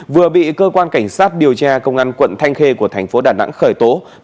vừa bị cơ quan cảnh sát điều tra công an quận thanh khê của thành phố đà nẵng khởi tố